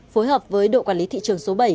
phối hợp với đội quản lý thị trường số bảy